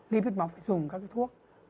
lý viết máu phải dùng các cái thuốc